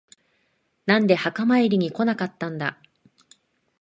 なんで墓参りに来なかったんだ。